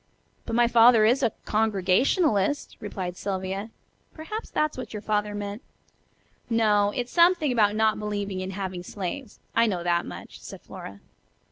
But my father is a Congregationalist," replied Sylvia. "Perhaps that's what your father meant." "No, it's something about not believing in having slaves, I know that much," said Flora.